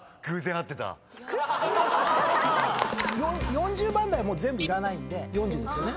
４０番台は全部いらないんで４０ですよね。